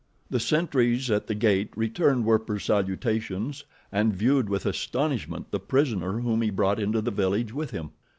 The sentries at the gate returned Werper's salutations, and viewed with astonishment the prisoner whom he brought into the village with him.